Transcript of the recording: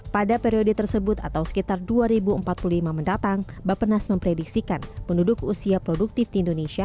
pada periode tersebut atau sekitar dua ribu empat puluh lima mendatang bapenas memprediksikan penduduk usia produktif di indonesia